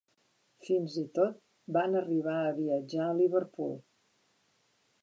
Fins i tot van arribar a viatjar a Liverpool.